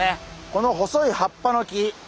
この細い葉っぱの木。